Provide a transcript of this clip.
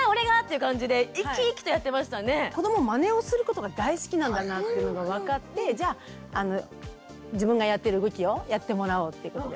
まねをすることが大好きなんだなっていうのが分かってじゃあ自分がやってる動きをやってもらおうってことで。